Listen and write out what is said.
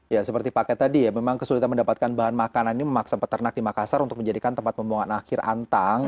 ya seperti paket tadi ya memang kesulitan mendapatkan bahan makanan ini memaksa peternak di makassar untuk menjadikan tempat pembuangan akhir antang